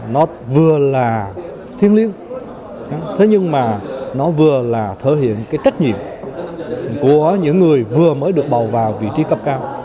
nó vừa là thiên liên thế nhưng mà nó vừa là thở hiện cái trách nhiệm của những người vừa mới được bầu vào vị trí cấp cao